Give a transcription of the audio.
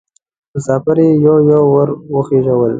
مسافر یې یو یو ور وخېژول.